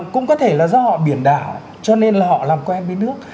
cũng có thể là do họ biển đảo cho nên là họ làm quen với nước